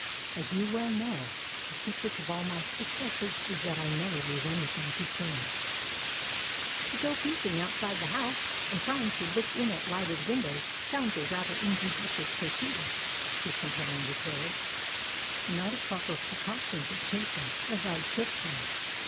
As you well know, the secret of all my successes is that I never leave anything to chance." "To go peeping about outside the house and trying to took in at lighted windows sounds a rather injudicious proceeding," his companion declared. "Not if proper precautions are taken, as I took them.